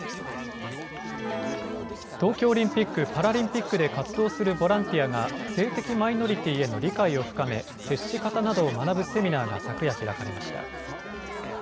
東京オリンピック・パラリンピックで活動するボランティアが性的マイノリティーへの理解を深め、接し方などを学ぶセミナーが昨夜、開かれました。